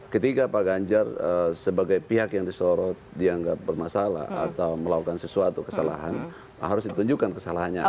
ketika pak ganjar sebagai pihak yang disorot dianggap bermasalah atau melakukan sesuatu kesalahan harus ditunjukkan kesalahannya